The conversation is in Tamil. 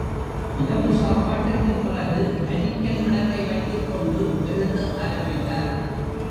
இரவு சாப்பாட்டுக்குப் பிறகு அரிக்கன் விளக்கை வைத்துக் கொண்டு எழுத ஆரம்பித்தார்.